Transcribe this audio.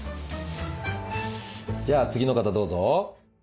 じゃあ次の方どうぞ。